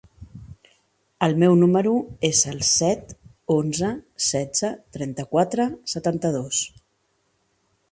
El meu número es el set, onze, setze, trenta-quatre, setanta-dos.